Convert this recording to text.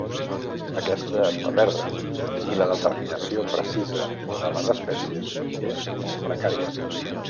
Aquesta es va perdre i la determinació precisa de les espècies és molt precària.